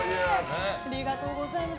ありがとうございます。